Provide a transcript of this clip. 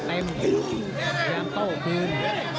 พยายามโต้คืน